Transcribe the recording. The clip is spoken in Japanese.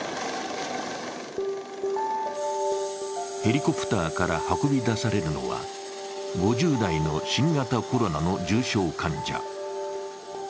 ヘリコプターから運び出されるのは、５０代の新型コロナの重症患者。